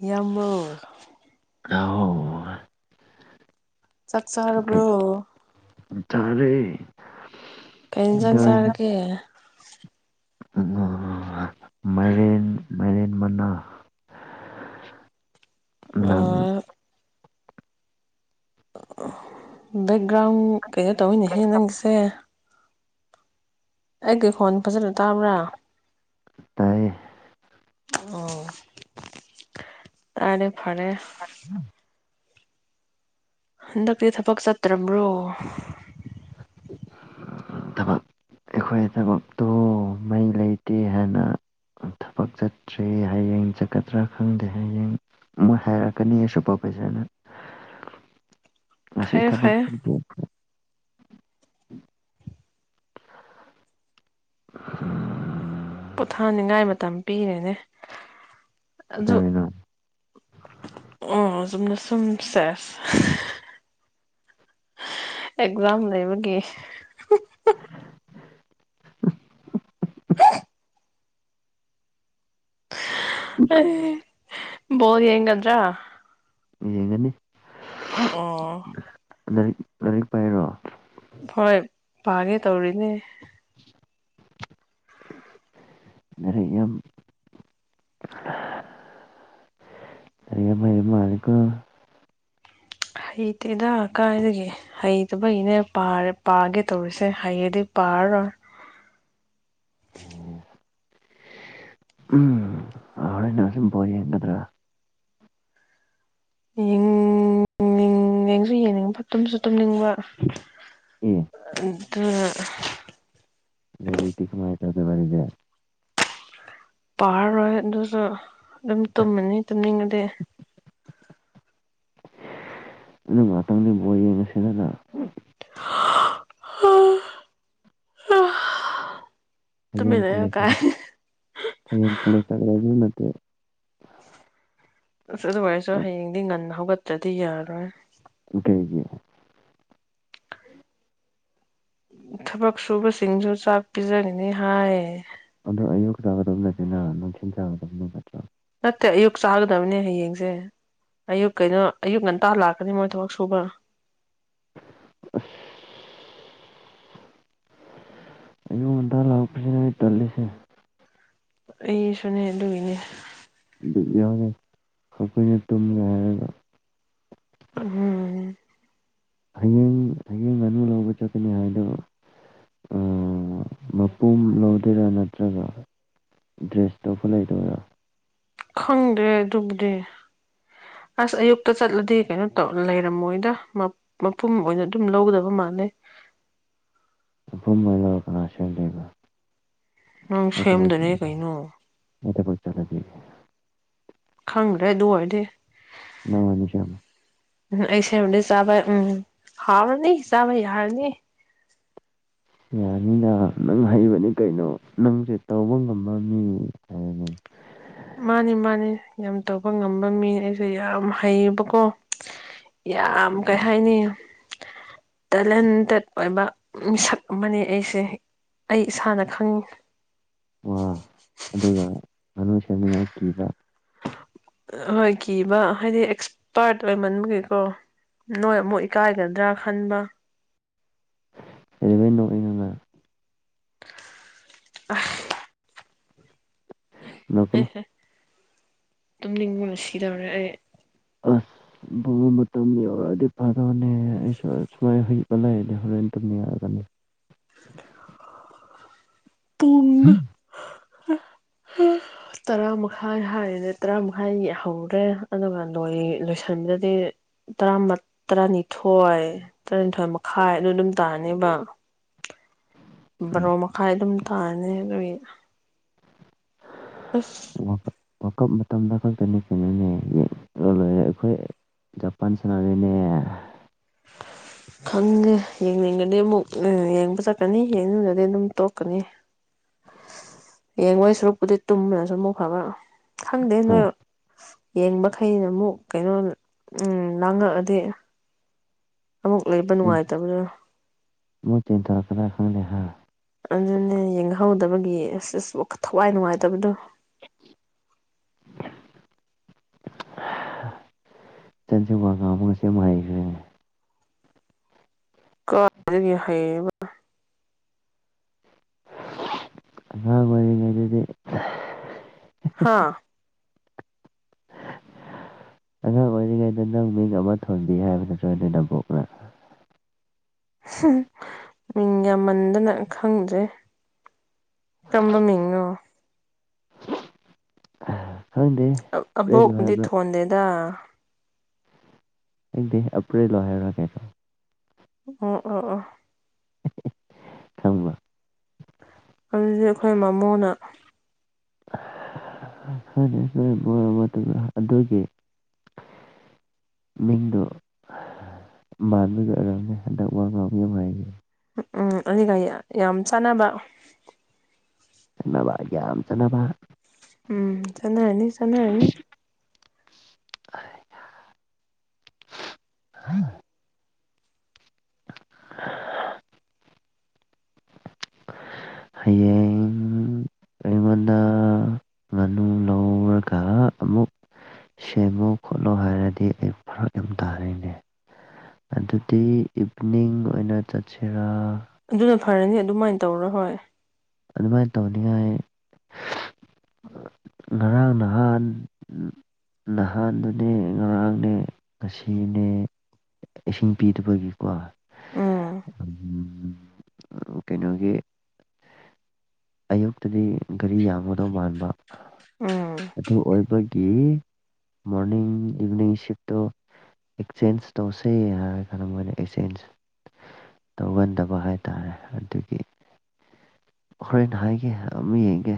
ꯢꯌꯥꯝꯕꯧ ꯅꯥꯎ [unintelligible] ꯆꯥꯛ ꯆꯥꯔꯕ꯭ꯔꯣ ꯇꯔꯦ ꯀꯩ ꯏꯟꯖꯥꯡ ꯆꯥꯔꯒꯦ ꯃꯥꯏꯔꯦꯟ ꯃꯥꯏꯔꯦꯟ ꯃꯅꯥ ꯅꯪ ꯑꯥ ꯕꯦꯛꯒ꯭ꯔꯥꯎꯟ ꯀꯩꯩꯅꯣ ꯇꯧꯋꯤꯅꯦꯍꯦ ꯅꯪꯁꯦ ꯑꯩꯒꯤ ꯈꯣꯟ ꯐꯖꯟꯅ ꯇꯥꯕ꯭ꯔꯥ ꯇꯥꯏꯌꯦ ꯑꯣ ꯇꯔꯦ ꯐꯔꯦ [unintelligible] ꯍꯟꯗꯛꯇꯤ ꯊꯕꯛ ꯆꯠꯇ꯭ꯔꯕ꯭ꯔꯣ ꯊꯕꯛ ꯑꯩꯈꯣꯏ ꯊꯕꯛꯇꯣ ꯃꯩ ꯂꯩꯇꯦ ꯍꯥꯏꯅ ꯊꯕꯛ ꯆꯠꯇ꯭ꯔꯦ ꯍꯌꯦꯡ ꯆꯠꯀꯗ꯭ꯔ ꯈꯪꯗꯦ ꯍꯌꯦꯡ ꯃꯣꯏ ꯍꯥꯏꯔꯛꯀꯅꯤ ꯁꯄ꯭ꯔꯣꯐꯦꯖꯔꯅ ꯉꯁꯤ ꯐꯩꯌꯦ ꯊꯕꯛ ꯐꯩꯌꯦ ꯁꯨ [unintelligible] [inaudible] ꯄꯣꯊꯥꯅꯤꯡꯉꯥꯏ ꯃꯇꯝ ꯄꯤꯔꯦꯅꯦ ꯀꯩꯗꯧꯔꯤꯅꯣ ꯑꯣ ꯆꯨꯝꯅ ꯁꯨꯝ ꯁꯦꯁ ꯑꯦꯛꯖꯝ ꯂꯩꯕꯒꯤ [unintelligible] [unintelligible] ꯑꯩ ꯕꯣꯜ ꯌꯦꯒꯗ꯭ꯔ ꯌꯦꯡꯒꯅꯤ ꯑꯣ ꯂꯥꯏꯔꯤꯛ ꯂꯥꯏꯔꯤꯛ ꯄꯥꯏꯔꯣ ꯍꯣꯏ ꯄꯥꯒꯦ ꯇꯧꯔꯤꯅꯦ ꯂꯥꯏꯔꯤꯛ ꯌꯥꯝ ꯂꯥꯏꯔꯤꯛ ꯌꯥꯝ ꯍꯩꯕ ꯃꯥꯜꯂꯤꯀꯣ ꯍꯩꯇꯦꯗ ꯀꯥꯏꯗꯒꯤ ꯍꯩꯇꯕꯩꯅꯦ ꯄꯔꯥ ꯄꯥꯒꯦ ꯇꯧꯔꯤꯁꯦ ꯍꯩꯔꯗꯤ ꯄꯥꯔꯔꯣꯢ [inaudible] ꯎꯝ ꯍꯣꯔꯦꯟ ꯅꯨꯡꯊꯤꯜ ꯕꯣꯜ ꯌꯦꯡꯒꯗ꯭ꯔꯥ ꯌꯦꯡ ꯌꯦꯡꯁꯨ ꯌꯦꯡꯅꯤꯡꯕ ꯇꯨꯝꯁꯨ ꯇꯨꯝꯅꯤꯡꯕ ꯑꯦ ꯑꯗꯨꯅ ꯂꯩꯔꯤꯛꯇꯤ ꯀꯃꯥꯏ ꯄꯥꯔꯔꯣꯏ ꯑꯗꯨꯁꯨ ꯑꯗꯨꯝ ꯇꯨꯝꯃꯅꯤ ꯇꯨꯝꯅꯤꯡꯉꯗꯤ ꯑꯗꯨ ꯉꯥꯛꯇꯪꯗꯤ ꯕꯣꯜ ꯌꯦꯡꯉꯁꯤꯗꯅ [inaudible] ꯍꯌꯦꯡ ꯇꯨꯃꯤꯟꯅ ꯀꯣꯂꯦꯖ ꯀ ꯀꯥꯏ ꯍꯌꯦꯡ ꯀꯣꯂꯦꯖꯇ [unintelligible] ꯑꯁ ꯑꯗꯨꯑꯣꯢꯔꯁꯨ ꯍꯌꯦꯡꯗꯤ ꯉꯟꯅ ꯍꯧꯒꯠꯇ꯭ꯔꯗꯤ ꯌꯥꯔꯣꯏ ꯀꯩꯒꯤ ꯊꯕꯛ ꯁꯨꯕ ꯁꯤꯡꯁꯨ ꯆꯥꯛ ꯄꯤꯖꯒꯅꯤ ꯍꯥꯏ ꯑꯗꯣ ꯑꯌꯨꯛ ꯆꯥꯒꯗꯕ [unintelligible] ꯅꯠꯇꯦ ꯑꯌꯨꯛ ꯆꯥꯒꯗꯕꯅꯦ ꯍꯌꯦꯡꯁꯦ ꯑꯌꯨꯛ ꯀꯩꯅꯣ ꯑꯌꯨꯛ ꯉꯟꯇꯥ ꯂꯥꯛꯀꯅꯤ ꯃꯣꯏ ꯊꯕꯛ ꯁꯨꯕ ꯑꯁ ꯑꯌꯨꯛ ꯉꯟꯇꯥ ꯂꯥꯛꯄꯁꯤꯅ ꯇꯜꯂꯤꯁꯦ ꯑꯩ ꯁꯨꯅꯦ ꯑꯗꯨꯒꯤꯅꯦ ꯕꯤꯠ ꯌꯥꯎꯗꯦ ꯑꯩꯈꯣꯏꯅ ꯇꯨꯝꯒꯦ ꯍꯥꯏꯔꯒ ꯎꯝꯍꯨ ꯍꯌꯦꯡ ꯍꯌꯦꯡ ꯉꯥꯅꯨ ꯂꯧꯕ ꯆꯠꯀꯅꯤ ꯍꯥꯏꯗꯣ ꯃꯄꯨꯝ ꯂꯧꯗꯣꯏꯔꯥ ꯅꯠꯇ꯭ꯔꯒ ꯗ꯭ꯔꯦꯁ ꯇꯧꯕ ꯂꯩꯗꯣꯏꯔꯥ ꯈꯪꯗꯦ ꯑꯗꯨꯕꯨꯗꯤ ꯑꯁ ꯑꯌꯨꯛꯇ ꯆꯠꯂꯗꯤ ꯀꯩꯅꯣ ꯇꯧ ꯂꯩꯔꯝꯃꯣꯏꯗ ꯃ ꯃꯄꯨꯝ ꯑꯣꯏꯅ ꯑꯗꯨꯝ ꯂꯧꯗꯕ ꯃꯥꯜꯂꯦ ꯃꯥꯂꯦ ꯑꯗꯨꯝ ꯃꯥꯢꯅ ꯀꯅꯥ ꯁꯦꯝꯗꯣꯢꯅꯣ ꯅꯪ ꯁꯦꯝꯗꯨꯅꯦ ꯀꯩꯅꯣ ꯑꯩ ꯊꯕꯛ ꯆꯠꯂꯗꯤ ꯈꯪꯗ꯭ꯔꯦ ꯑꯗꯨ ꯑꯣꯏꯔꯗꯤ ꯅꯪ ꯑꯅꯤ ꯁꯦꯝꯃꯣ ꯎꯝ ꯑꯩ ꯁꯦꯝꯃꯗꯤ ꯆꯥꯕ ꯎꯝ ꯍꯥꯎꯔꯅꯤ ꯆꯥꯕ ꯌꯥꯔꯅꯤ ꯌꯥꯅꯤꯅ ꯅꯪ ꯍꯩꯕꯅꯤ ꯀꯩꯅꯣ ꯅꯪꯁꯦ ꯇꯧꯕ ꯉꯝꯕ ꯃꯤ ꯍꯥꯏꯔꯅꯤ ꯃꯥꯅꯤ ꯃꯥꯅꯤ ꯌꯥꯝ ꯇꯧꯕ ꯉꯝꯕ ꯃꯤꯅꯦ ꯑꯩꯁꯦ ꯌꯥꯝ ꯍꯩꯌꯦꯕꯀꯣ ꯌꯥꯝ ꯀꯩ ꯍꯥꯏꯅꯤ ꯇꯦꯂꯦꯟꯇꯦꯠ ꯑꯣꯏꯕ ꯃꯤꯁꯛ ꯑꯃꯅꯤ ꯑꯩꯁꯦ ꯑꯩ ꯏꯁꯥꯅ ꯈꯪꯉꯤ ꯋꯥ ꯑꯗꯨꯒ ꯉꯥꯅꯨ ꯁꯦꯝꯅꯤꯡꯉꯥꯏ ꯀꯤꯕ꯭ꯔ ꯍꯣꯏ ꯀꯤꯕ ꯍꯥꯏꯗꯤ ꯑꯦꯛꯁꯄꯥꯔꯠ ꯑꯣꯏꯃꯟꯕꯒꯤꯀꯣ ꯅꯣꯏ ꯑꯃꯨꯛ ꯏꯀꯥꯏꯒꯗ꯭ꯔꯥ ꯈꯟꯕ ꯀꯩꯗꯩꯅꯣ ꯑꯩꯅ ꯑꯁ ꯂꯀꯅꯣ ꯇꯨꯝ ꯅꯤꯡꯕꯅ ꯁꯤꯗꯧꯔꯦ ꯑꯩ ꯑꯁ ꯕꯣꯜ ꯃꯇꯝ ꯌꯧꯔꯛꯑꯗꯤ ꯐꯥꯗꯣꯅꯦ ꯁꯨꯃꯥꯏ ꯍꯤꯞ ꯂꯩꯑꯗꯤ ꯍꯣꯔꯦꯟ ꯇꯨꯝꯕ ꯌꯥꯒꯅꯤ [inaudible] ꯍꯨꯝ ꯍꯥ ꯍꯥ ꯇꯔꯥ ꯃꯈꯥꯏ ꯍꯥꯏꯔꯤꯅꯦ ꯇꯔꯥ ꯃꯈꯥꯏ ꯍꯧꯔꯦ ꯑꯗꯨꯒ ꯂꯣꯢ ꯂꯣꯏꯁꯤꯟꯕꯗꯗꯤ ꯥ ꯇꯔꯥꯅꯤꯃꯠ ꯇꯔꯥꯅꯤꯊꯣꯏ ꯇꯔꯥꯅꯤꯊꯣꯢ ꯃꯈꯥꯏ ꯑꯗꯨ ꯑꯗꯨꯝ ꯇꯥꯔꯅꯦꯕ ꯕꯥꯔꯣ ꯃꯈꯥꯏ ꯑꯗꯨꯝ ꯇꯅꯦ ꯑꯗꯨꯢ ꯑꯁ ꯋꯥꯔꯜ ꯀꯞ ꯃꯇꯝꯗ ꯈꯛꯇꯅꯤ ꯀꯩꯅꯣꯅꯦ ꯌꯦꯡ ꯂꯣꯏꯔꯦ ꯑꯩꯈꯣꯏ ꯖꯄꯟ ꯁꯅꯥꯔꯦꯅꯦ ꯈꯪꯗꯦ ꯌꯦꯡꯅꯤꯡꯒꯗꯤ ꯑꯃꯨꯛ ꯑꯦ ꯌꯦꯡꯕ ꯆꯠꯀꯅꯤ ꯌꯦꯡꯅꯤꯡꯗꯗꯤ ꯑꯗꯨꯝ ꯇꯣꯛꯀꯅꯤ ꯌꯦꯡꯉꯣꯏ ꯁꯨꯔꯨꯛꯄꯨꯗꯤ ꯇꯨꯝꯕꯅꯁꯨ ꯑꯃꯨꯛ ꯐꯕ ꯈꯪꯗꯦ ꯅꯣꯏ ꯍꯥ ꯌꯦꯡꯕ ꯈꯩꯅ ꯑꯃꯨꯛ ꯀꯩꯅꯣ ꯎꯝ ꯂꯥꯡꯉꯛꯑꯗꯤ [inaudible] ꯑꯃꯨꯛ ꯂꯩꯕ ꯅꯨꯡꯉꯥꯏꯇꯕꯗꯣ ꯃꯣꯏ ꯇꯦꯟ ꯇꯥꯔꯛꯄ ꯗꯥꯢ ꯍꯥꯡꯅꯤ ꯍꯥ ꯑꯗꯨꯅꯦ ꯌꯦꯡꯍꯧꯗꯕꯒꯤ ꯑꯁ ꯑꯁ ꯋꯥꯈ ꯊꯋꯥꯏ ꯅꯨꯡꯉꯥꯏꯇꯕꯗꯣ [inaudible] ꯆꯟꯁꯦ ꯋꯥ ꯉꯥꯡꯕꯒ ꯁꯦ ꯌꯥꯝ ꯍꯩꯈꯔꯦꯅꯦ ꯀꯥ ꯗꯒꯤ ꯍꯩꯔꯤꯕ ꯑꯉꯥꯡ ꯑꯣꯏꯔꯤꯉꯩꯗꯗꯤ ꯍꯥꯥ ꯀꯔꯤꯉꯩꯗ ꯅꯪ ꯃꯤꯡ ꯑꯃ ꯊꯣꯟꯕꯤ ꯍꯥꯏꯕ ꯅꯠꯇ꯭ꯔꯣꯅꯦ ꯅꯕꯣꯛꯅ ꯃꯤꯡ ꯌꯥꯝꯃꯟꯗꯅ ꯈꯪꯗ꯭ꯔꯦ ꯇꯝꯕ ꯃꯤꯡꯅꯣ ꯈꯪꯗꯦ ꯑ ꯑꯄ꯭ꯔꯦꯜꯂꯣ ꯑꯕꯣꯛꯅꯗꯤ ꯍꯥꯏꯕ꯭ꯔꯥ ꯊꯣꯟꯗꯦꯗ ꯈꯪꯗꯦ ꯑꯄ꯭ꯔꯦꯜ ꯂꯣ ꯍꯥꯏꯕꯔ ꯀꯦꯅꯣ ꯑꯣ ꯑꯣ ꯑꯣ ꯈꯪꯕꯔ ꯑꯗꯨꯗꯤ ꯑꯩꯈꯣꯏ ꯃꯃꯣꯅ [unintelligible] ꯑꯗꯨꯒꯤ ꯃꯤꯡꯗꯣ ꯃꯥꯟꯂꯒ ꯑꯣꯢꯔꯝꯅꯤ ꯍꯟꯗꯛ ꯋꯥ ꯉꯥꯡꯕ ꯍꯩꯗꯣ ꯎꯝ ꯑꯗꯨꯒ ꯌꯥ ꯌꯥꯝ ꯆꯥꯟꯅꯕ ꯆꯥꯟꯅꯕ ꯌꯥꯝ ꯆꯥꯟꯅꯕ ꯎꯝ ꯆꯥꯅꯔꯅꯤ ꯆꯅꯔꯅꯤ [inaudible] [inaudible] ꯍꯌꯦꯡ ꯑꯩꯉꯣꯟꯗ ꯉꯥꯅꯨ ꯂꯧꯔꯒ ꯑꯃꯨꯛ ꯁꯦꯝꯃꯨ ꯈꯣꯠꯂꯨ ꯍꯥꯏꯔꯗꯤ ꯑꯩꯕꯨ ꯐꯔꯛ ꯌꯥꯝ ꯇꯥꯔꯦꯅꯦ ꯑꯗꯨꯗꯤ ꯏꯚꯅꯤꯡ ꯑꯣꯏꯅ ꯆꯠꯁꯤꯔꯥ ꯑꯗꯨꯅ ꯐꯔꯅꯤ ꯑꯗꯨꯃꯥꯏꯅ ꯇꯧꯔꯣ ꯍꯣꯏ ꯑꯗꯨꯃꯥꯏꯅ ꯇꯧꯅꯤꯡꯉꯥꯏ ꯉꯔꯥꯡ ꯅꯍꯥꯟ ꯅꯍꯥꯟꯗꯨꯅꯦ ꯉꯔꯥꯡꯅꯦ ꯉꯁꯤꯅꯦ ꯏꯁꯤꯡ ꯄꯤꯗꯕꯒꯤꯀꯣ ꯎꯝ ꯎꯝ ꯀꯩꯅꯣꯒꯤ ꯑꯌꯨꯛꯇꯗꯤ ꯒꯥꯔꯤ ꯌꯥꯝꯒꯗꯧ ꯃꯥꯟꯕ ꯎꯝ ꯑꯗꯨ ꯑꯣꯏꯕꯒꯤ ꯃꯣꯔꯅꯤꯡ ꯏꯚꯤꯅꯤꯡ ꯁꯤꯐꯇꯣ ꯑꯦꯛꯆꯦꯟꯖ ꯇꯧꯁꯦ ꯍꯥꯏꯔ ꯈꯜꯂꯝꯕꯅꯦ ꯑꯦꯛꯆꯦꯟꯖ ꯇꯧꯒꯟꯗꯕ ꯍꯥꯏꯇꯥꯔꯦ ꯑꯗꯨꯒꯤ ꯍꯣꯔꯦꯟ ꯍꯥꯏꯒꯦ ꯍꯥꯢꯌꯣ ꯑꯃꯨꯛ ꯌꯦꯡꯒꯦ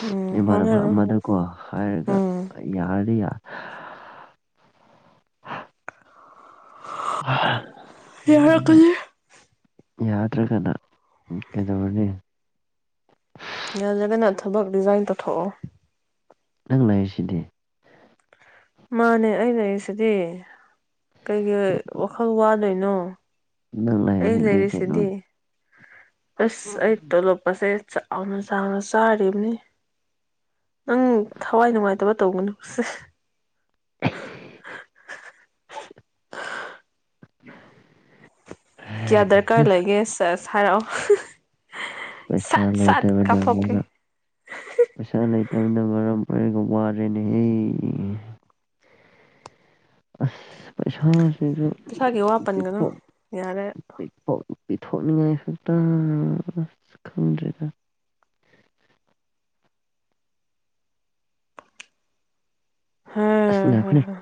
ꯎꯝ ꯏꯃꯥꯟꯅꯕ ꯍꯣꯠꯅꯔꯣ ꯑꯃꯅꯀꯣ ꯍꯥꯏꯔꯒ ꯎꯝ ꯌꯥꯔꯗꯤ ꯌꯥ [inaudible] ꯌꯥꯔꯛ ꯅꯣꯏꯅ ꯀꯅꯤ ꯌꯥꯗ꯭ꯔꯒꯅ ꯀꯩꯗꯧꯔꯨꯅꯤ ꯅꯦꯜꯖꯗꯅ ꯊꯕꯛ ꯔꯤꯖꯥꯏꯟ ꯇꯧꯊꯣꯛꯑꯣ ꯅꯪ ꯂꯩꯥꯔꯤꯁꯤꯗꯤ ꯃꯥꯅꯦ ꯑꯩ ꯂꯩꯔꯤꯁꯤꯗꯤ ꯀꯩꯒꯤ ꯋꯥꯈꯜ ꯋꯥꯗꯣꯏꯅꯣ ꯅꯪ ꯑꯩ ꯂꯩꯔꯗꯤ ꯀꯩꯅꯣ ꯂꯩꯔꯤꯁꯤꯗꯤ ꯑꯁ ꯑꯩ ꯇꯣ ꯂꯣꯞꯀꯁꯦ ꯆꯥꯎꯅ ꯆꯥꯎꯅ ꯆꯥꯔꯤꯝꯅꯤ ꯅꯪ ꯊꯋꯥꯏ ꯅꯨꯡꯉꯥꯏꯇꯕ ꯇꯧꯒꯅꯨ ꯀꯌꯥ ꯗꯔꯀꯥꯔ ꯂꯩꯒꯦꯁꯦꯁ ꯍꯥꯏꯔꯛꯑꯣ ꯁꯠ ꯁꯠ ꯄꯩꯁꯥꯂꯩꯇꯕ ꯀꯥꯞꯊꯣꯛꯀꯦ ꯅꯪꯃꯛꯅ ꯄꯩꯁꯥ ꯂꯩ ꯇꯅ ꯃꯔꯝ ꯑꯣꯏꯔꯒ ꯋꯥꯔꯦꯅꯦꯍꯦ ꯑꯁ ꯄꯩꯁꯥꯁꯤꯡꯁꯨ ꯄꯩꯁꯥꯒꯤ ꯋꯥ ꯄꯟꯒꯅꯨ ꯄꯤꯊꯣꯛ ꯌꯥꯔꯦ ꯄꯤꯊꯣꯛ ꯄꯤꯊꯣꯛꯅꯤꯉꯥꯏ ꯈꯛꯇ ꯑꯁ ꯈꯪꯗ꯭ꯔꯦꯗ ꯍꯥ ꯑꯁ ꯍꯥ ꯉꯥꯏꯈꯣꯅꯦ ꯍꯥ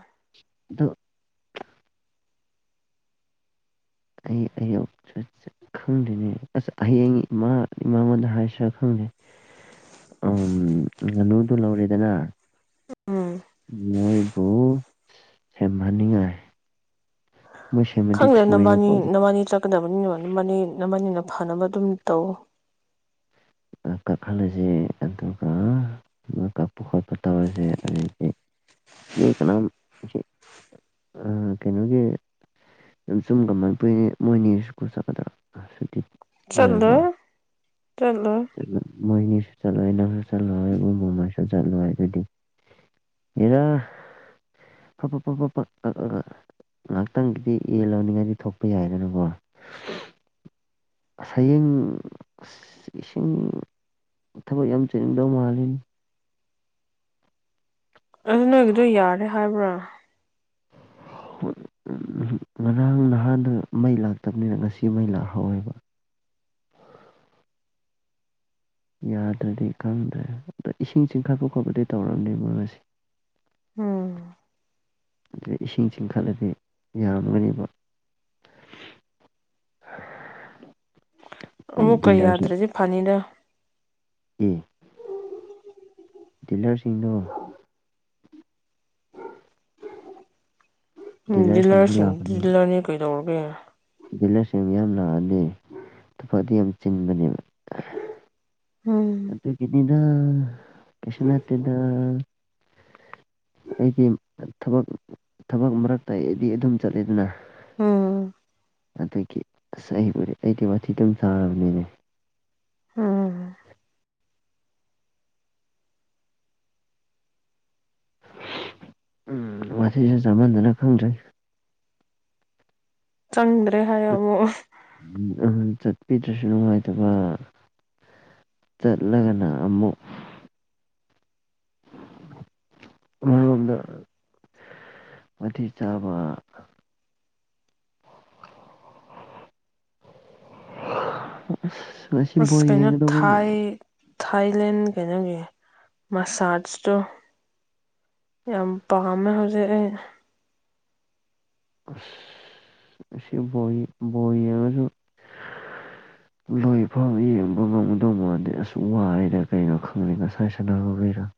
ꯑꯗꯣ ꯑꯩ ꯑꯌꯨꯛ ꯈꯪꯗ꯭ꯔꯤꯅꯦ ꯑꯁ ꯍꯌꯦꯡ ꯏꯃꯥ ꯏꯃꯉꯣꯟꯗ ꯍꯥꯏꯁꯤꯔ ꯈꯪꯗ ꯎꯝ ꯉꯥꯅꯨꯗꯣ ꯂꯧꯔꯦꯗꯅ ꯎꯝ ꯃꯣꯏꯗꯣ ꯍꯦꯟꯃꯟꯅꯤꯉꯥꯏ ꯈꯪꯗꯦ ꯅꯕꯥꯅꯤ ꯅꯕꯥꯅꯤ ꯆꯠꯀꯗꯕ ꯃꯅꯤꯅ ꯅꯕꯅꯤ ꯅꯕꯅꯤꯅ ꯐꯅꯕ ꯑꯗꯨꯝ ꯇꯧ ꯀꯈꯠꯂꯁꯦ ꯑꯗꯨꯒ ꯀꯛꯄ ꯈꯣꯠꯄ ꯇꯧ ꯃꯤ ꯀꯅꯥꯝ ꯑ ꯀꯩꯅꯣꯒꯤ ꯑꯗꯨꯝ ꯆꯨꯝꯒ ꯃ ꯀꯨꯏꯅꯦ ꯃꯣꯏꯅꯤ ꯁꯀꯨꯜ ꯆꯠꯀꯗ꯭ꯔꯥ ꯁꯨꯇꯤ ꯆꯠꯂꯣꯏꯌꯦ ꯆꯠꯂꯣꯏ ꯃꯣꯏꯅꯤ [unintelligible] ꯆꯠꯂꯨ ꯍꯥꯏꯕꯗꯤ ꯍꯦꯔꯦ ꯐꯠ ꯐꯠ ꯐꯠ ꯉꯥꯛꯇꯪꯒꯤꯗꯤ ꯌꯦꯜ ꯂꯧꯅꯤꯉꯥꯗꯤ ꯊꯣꯛꯄ ꯌꯥꯏꯗꯅꯀꯣ ꯍꯌꯦꯡ ꯏꯁꯤꯡ ꯃꯊꯧ ꯌꯥꯝ ꯆꯤꯟꯗꯧ ꯃꯥꯜꯂꯤꯅꯦ ꯑꯗꯨ ꯅꯣꯏꯒꯤꯗꯣ ꯌꯥꯔꯦ ꯍꯥꯏꯕ꯭ꯔꯣ ꯎꯝ ꯉꯔꯥꯡ ꯅꯍꯥꯟꯗ ꯃꯩ ꯂꯥꯛꯇꯕꯅꯤꯅ ꯉꯁꯤ ꯃꯩ ꯂꯥꯛꯍꯧꯋꯦꯕ ꯌꯥꯗ꯭ꯔꯗꯤ ꯈꯪꯗ꯭ꯔꯦ ꯑꯗꯣ ꯏꯁꯤꯡ ꯆꯤꯡꯈꯠꯄ ꯈꯣꯠꯄꯗꯤ ꯇꯧꯔꯝꯅꯤ ꯃꯣꯏ ꯉꯁꯤ ꯎꯝ ꯑꯗꯩ ꯏꯁꯤꯡ ꯆꯤꯡꯈꯠꯂꯗꯤ ꯌꯥꯔꯝꯒꯅꯤꯕ ꯍ ꯑꯃꯨꯛ ꯀ ꯌꯥꯗ꯭ꯔꯗꯤ ꯐꯅꯤꯗ ꯑꯝ ꯗꯤꯂꯔꯁꯤꯡꯗꯣ [inaudible] ꯎꯝ ꯗꯤꯂꯔꯁꯤꯡꯁꯨ ꯗꯤꯂꯔꯁꯤꯡ ꯂꯥꯛꯀꯅꯤ ꯗꯤꯂꯔꯅꯤ ꯀꯩꯗꯧꯔꯒꯦ ꯗꯤꯂꯔꯁꯤꯡ ꯌꯥꯝ ꯂꯥꯛꯑꯗꯤ ꯊꯐꯗꯤ ꯌꯥꯝ ꯆꯤꯟꯕꯅꯦꯕ ꯎꯝ ꯑꯝ ꯀꯩꯁꯨ ꯅꯠꯇꯦꯗ ꯑꯩꯗꯤ ꯊꯕꯛ ꯊꯕꯛ ꯃꯔꯛꯇ ꯑꯩꯗꯤ ꯑꯗꯨꯝ ꯆꯠꯂꯤꯗꯅ ꯎꯝ ꯑꯗꯨꯒꯤ ꯑꯁ ꯑꯩꯕꯨꯗꯤ ꯑꯩꯗꯤ ꯋꯥꯊꯤ ꯑꯗꯨꯝ ꯁꯥꯥꯔꯕꯅꯤꯅꯦ ꯍꯝ ꯎꯝ ꯉꯁꯤꯁꯨ ꯆꯞꯃꯥꯟꯗꯅ ꯈꯪꯗ꯭ꯔꯦ ꯆꯪꯗ꯭ꯔꯦ ꯍꯥꯏꯌꯨ ꯑꯃꯨꯛ ꯎꯝ ꯆꯠꯄꯤꯗ꯭ꯔꯁꯨ ꯅꯨꯡꯉꯥꯏꯇꯕ ꯆꯠꯂꯒꯅ ꯑꯃꯨꯛ ꯑꯃꯔꯣꯝꯗ ꯋꯥꯊꯤ ꯆꯥꯕ ꯑꯁ ꯉꯁꯤ ꯕꯣꯜ ꯑꯁ ꯀꯩꯅꯣ ꯌꯦꯡꯒꯗꯧꯕꯣ ꯃ ꯊꯥꯏ ꯊꯥꯏꯂꯦꯟ ꯀꯩꯅꯣꯒꯤ ꯃꯁꯥꯁꯇꯣ ꯌꯥꯝ ꯄꯥꯝꯃꯦ ꯍꯧꯖꯤꯛ ꯑꯩ ꯑꯁ ꯉꯁꯤ ꯕꯣꯜ ꯕꯣꯜ ꯌꯦꯡꯉꯁꯨ ꯂꯣꯏꯐꯧ ꯌꯦꯡꯕ ꯉꯝꯒꯗꯧ ꯃꯥꯗꯤ ꯑꯁ ꯋꯥꯏꯌꯦꯗ ꯀꯩꯅꯣ ꯈꯪꯗꯦ ꯉꯁꯥꯏ ꯁꯥꯟꯅꯕꯩꯔꯥ [unintelligible]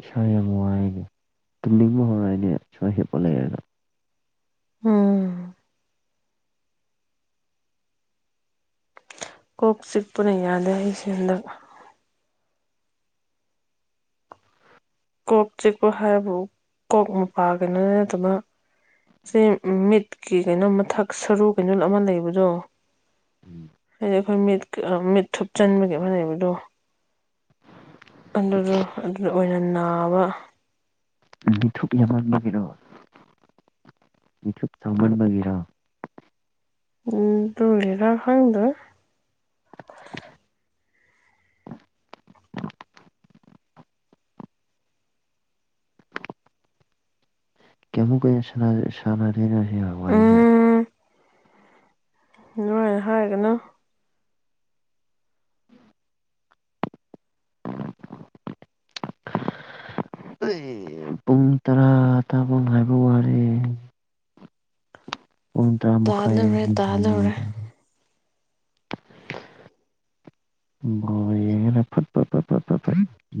ꯏꯁꯥ ꯌꯥꯝ ꯋꯥꯌꯦꯅꯦ ꯇꯨꯝꯅꯤꯡꯕ ꯍꯧꯔꯛꯑꯅꯦ ꯁꯋꯥ ꯍꯤꯞꯄ ꯂꯩꯔꯒꯥ ꯎꯝ ꯀꯣꯛ ꯆꯤꯛꯄꯅ ꯌꯥꯗꯦ ꯑꯩꯁꯦ ꯍꯟꯗꯛ ꯀꯣꯛ ꯆꯤꯛꯄ ꯍꯥꯏꯕꯨ ꯀꯣꯛ ꯃꯄꯥꯒꯅꯤ ꯑꯗꯨꯅ ꯁꯤ ꯃꯤꯠꯀꯤ ꯀꯩꯅꯣꯝ ꯃꯊꯛ ꯁꯔꯨ ꯀꯩꯅꯣ ꯑꯃ ꯂꯩꯕꯗꯣ ꯍꯥꯏꯗꯤ ꯑꯩꯈꯣꯏ ꯃꯤꯠ ꯃꯤꯠ ꯊꯨꯞꯆꯟꯕꯒꯤ ꯑꯃ ꯂꯩꯕꯗꯣ ꯑꯗꯨꯗꯨ ꯑꯗꯨꯗ ꯑꯣꯏꯅ ꯅꯥꯕ ꯃꯤꯊꯨꯞ ꯌꯥꯝꯃꯕꯒꯤꯔꯣ ꯃꯤꯊꯨꯞ ꯆꯥꯎꯃꯥꯟꯕꯒꯤꯔꯣ ꯎꯝ ꯑꯗꯨꯒꯤꯔ ꯈꯪꯗꯦ [unintelligible] ꯀꯌꯥꯝ ꯃꯨꯛꯀꯧꯏ ꯁꯅꯥꯔꯤꯔꯥ ꯁꯤ ꯑꯋꯥꯔꯤꯁꯦ ꯑꯗꯨꯃꯥꯢꯅ ꯍꯥꯏꯒꯅꯣ ꯑꯩ ꯄꯨꯡ ꯇꯔꯥ ꯇꯥꯕ ꯉꯥꯏꯕ ꯋꯥꯔꯦ ꯄꯨꯡ ꯇꯔꯥ ꯃꯈꯥꯢ ꯇꯥꯗꯧꯔꯦ ꯇꯥꯗꯧꯔꯦ [unintelligible] ꯕꯣꯜ ꯌꯦꯡꯔ ꯐꯠ ꯐꯠ ꯐꯠ [unintelligible]